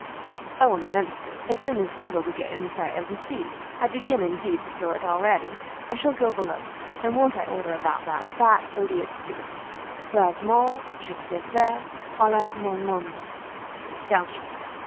"Oh, immensely! as soon as ever we get in sight of the sea: I begin, indeed, to feel it already. I shall go below; and won't I order about that fat odious stewardess! Heureusement je sais faire aller mon monde." Down she went.